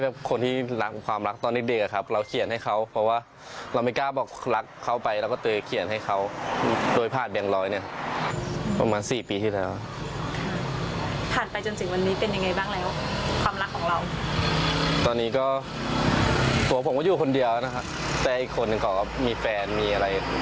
ปี๕๗คุณบิลลี่อายุ๑๕ปีนี่๖๒ผ่านมาแล้ว๕ปี